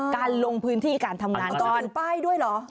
การลงพื้นที่การทำงานมันต้องถือป้ายด้วยเหรอ